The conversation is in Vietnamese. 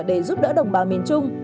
để giúp đỡ đồng bào miền trung